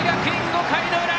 ５回の裏。